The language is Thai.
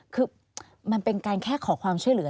คือมันเป็นการแค่ขอความช่วยเหลือ